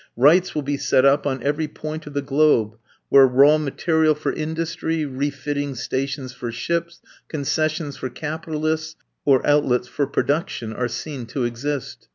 Rights will be set up on every point of the globe where raw material for industry, refitting stations for ships, concessions for capitalists, or outlets for production are seen to exist.